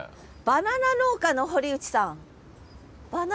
バナナ農家の堀内さん。